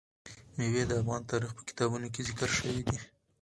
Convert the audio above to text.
مېوې د افغان تاریخ په کتابونو کې ذکر شوی دي.